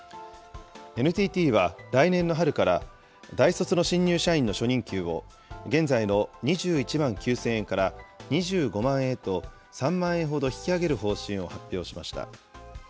ＮＴＴは来年の春から、大卒の新入社員の初任給を、現在の２１万９０００円から２５万円へと３万円ほど引き上げる方針を発表しました。